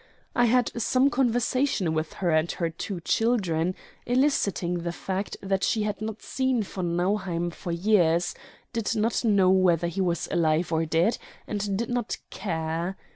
I had some conversation with her and her two children, eliciting the fact that she had not seen von Nauheim for years, did not know whether he was alive or dead, and did not care.